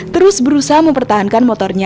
terus berusaha mempertahankan motornya